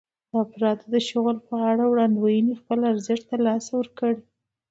د افرادو د شغل په اړه وړاندوېنې خپل ارزښت له لاسه ورکړ.